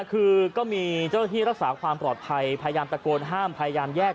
คือก็มีเจ้าหน้าที่รักษาความปลอดภัยพยายามตะโกนห้ามพยายามแยก